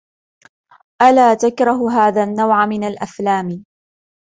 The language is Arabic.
ألا تكره هذا النوع من الأفلام ؟